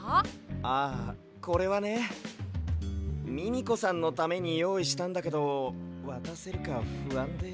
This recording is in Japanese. ああこれはねミミコさんのためによういしたんだけどわたせるかふあんで。